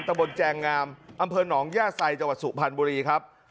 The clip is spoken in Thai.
ตะบนแจงงามอำเภอหนองย่าไซจังหวัดสุพรรณบุรีครับ